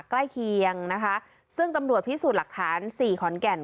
เคียงนะคะซึ่งตำรวจพิสูจน์หลักฐานสี่ขอนแก่น